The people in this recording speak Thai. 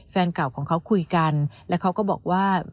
แฟนเก่าของเขาคุยกันแล้วเขาก็บอกว่า